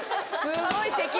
すごい敵！